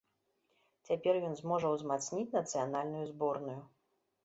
Цяпер ён зможа ўзмацніць нацыянальную зборную.